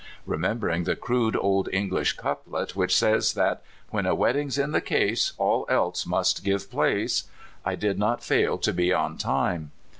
Remembering the crude old English couplet which says that When a wedding's in the case All else must give place, I did not fail to be on time.